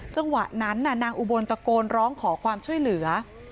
จังหวะนั้นนางอุบลตะโกนร้องขอความช่วยเหลือ